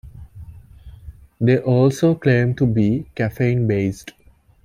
They also claimed to be "caffeine biased".